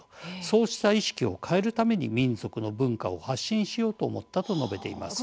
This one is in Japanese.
そうした意識を変えるために民族の文化を発信しようと思ったと述べています。